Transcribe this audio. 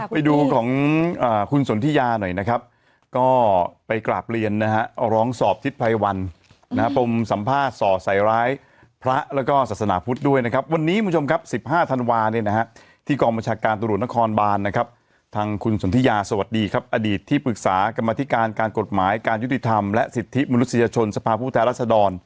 ไปดูของคุณสนทิยาหน่อยนะครับก็ไปกราบเรียนนะฮะร้องสอบทิศภัยวันนะฮะปมสัมภาษณ์ส่อใส่ร้ายพระแล้วก็ศาสนาพุทธด้วยนะครับวันนี้คุณผู้ชมครับ๑๕ธันวาเนี่ยนะฮะที่กองบัญชาการตรวจนครบานนะครับทางคุณสนทิยาสวัสดีครับอดีตที่ปรึกษากรรมธิการการกฎหมายการยุติธรรมและสิทธิมนุษยชนสภาพผู้แทนรัศดร